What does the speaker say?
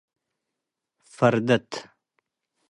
ፈርደት፣